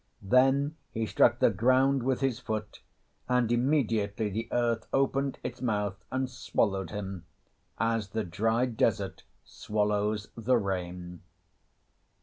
Then he struck the ground with his foot, and immediately the earth opened its mouth and swallowed him as the dry desert swallows the rain.